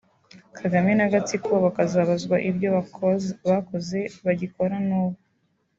Kagame n’agatsiko bakabazwa ibyo bakoze bagikora n’ubu